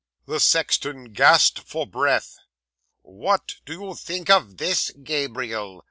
'The sexton gasped for breath. '"What do you think of this, Gabriel?"